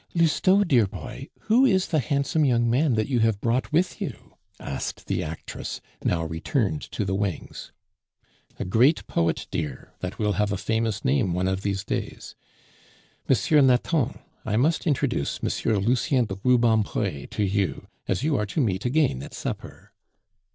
"Lousteau, dear boy, who is the handsome young man that you have brought with you?" asked the actress, now returned to the wings. "A great poet, dear, that will have a famous name one of these days. M. Nathan, I must introduce M. Lucien de Rubempre to you, as you are to meet again at supper."